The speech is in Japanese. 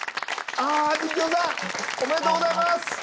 おめでとうございます！